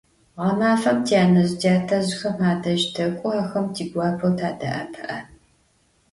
Ğemefem tyanezj - tyatezjxem adej tek'o, axem tiguapeu tade'epı'e.